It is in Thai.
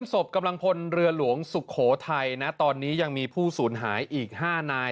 ศพกำลังพลเรือหลวงสุโขทัยนะตอนนี้ยังมีผู้สูญหายอีก๕นาย